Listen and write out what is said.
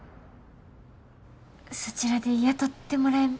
そちらで雇ってもらえ。